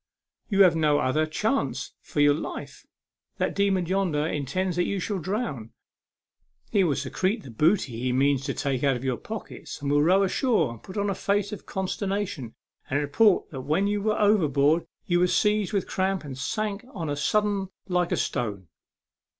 You have no other chance for your life. That demon yonder intends that you shall drown. He will secrete the booty he means to take out of your pockets, and will row ashore and put on a face of consternation, and report that when you were overboard you were seized with cramp, and sank on a sudden like a stone."